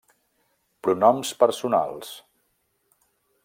Pronoms personals: